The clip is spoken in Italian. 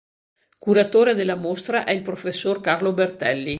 Curatore della mostra è il professor Carlo Bertelli.